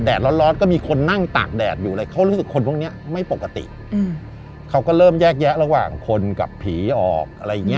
ร้อนก็มีคนนั่งตากแดดอยู่อะไรเขารู้สึกคนพวกนี้ไม่ปกติเขาก็เริ่มแยกแยะระหว่างคนกับผีออกอะไรอย่างเงี้